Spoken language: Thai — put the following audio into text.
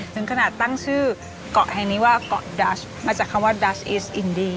ถึงขนาดตั้งชื่อเกาะแห่งนี้ว่าเกาะดัชมาจากคำว่าดัสอิสอินดี